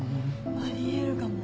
あり得るかも。